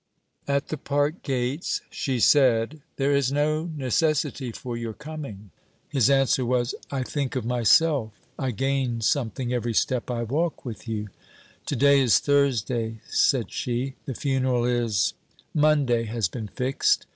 At the park gates, she said: 'There is no necessity four your coming.' His answer was: 'I think of myself. I gain something every step I walk with you.' 'To day is Thursday,' said she. 'The funeral is...?' 'Monday has been fixed.